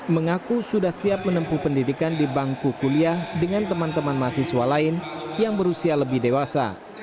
mengaku sudah siap menempuh pendidikan di bangku kuliah dengan teman teman mahasiswa lain yang berusia lebih dewasa